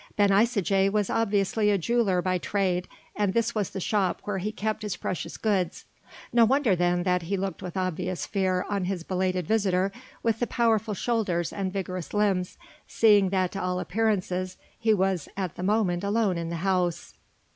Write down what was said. Ben Isaje was obviously a jeweller by trade and this was the shop where he kept his precious goods: no wonder then that he looked with obvious fear on his belated visitor with the powerful shoulders and vigorous limbs, seeing that to all appearances he was at the moment alone in the house.